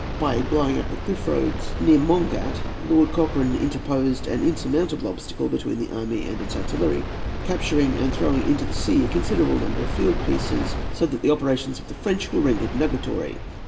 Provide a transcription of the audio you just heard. By blowing up the cliff roads, near Mongat, Lord Cochrane interposed an insurmountable obstacle between the army and its artillery, capturing and throwing into the sea a considerable number of field pieces, so that the operations of the French were rendered nugatory.